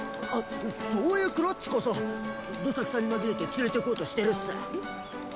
そういうクロっちこそどさくさに紛れて連れていこうとしてるっす！